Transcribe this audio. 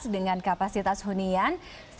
dengan kapasitas hunian satu tiga ratus delapan